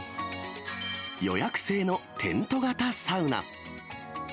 予約制のテント型サウナ。